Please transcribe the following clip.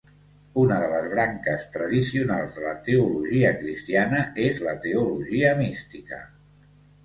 Una de les branques tradicionals de la teologia cristiana és la teologia mística.